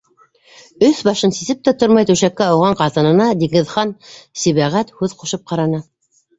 Өҫ-башын сисеп тә тормай түшәккә ауған ҡатынына Диңгеҙхан-Сибәғәт һүҙ ҡушып ҡараны: